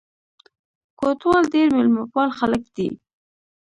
کوټوال ډېر مېلمه پال خلک دي.